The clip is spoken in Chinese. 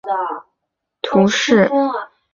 雷博尔德人口变化图示